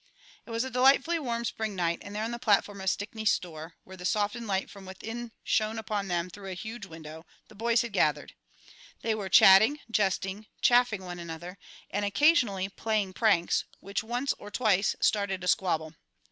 It was a delightfully warm spring night, and there on the platform of Stickney's store, where the softened light from within shone upon them through a huge window, the boys had gathered. They were chatting, jesting, chaffing one another, and occasionally playing pranks, which once or twice started a squabble.